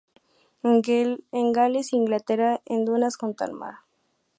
En Gales y en Inglaterra en dunas junto al mar.